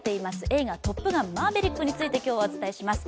映画「トップガンマーヴェリック」について今日はお伝えします。